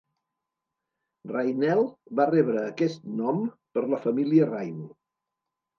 Rainelle va rebre aquest nom per la família Raine.